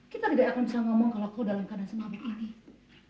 kita tidak akan bisa ngomong kalau kau dalam keadaan semabit ini